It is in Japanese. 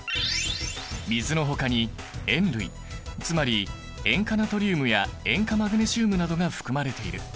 水のほかに塩類つまり塩化ナトリウムや塩化マグネシウムなどが含まれている。